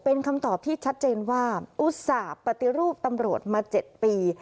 เป็นคำตอบที่ชัดเจนว่าอุตส่าห์ปฏิรูปตำรวจมา๗ปี